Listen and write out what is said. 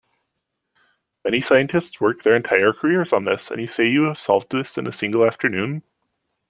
Many scientists work their entire careers on this, and you say you have solved this in a single afternoon?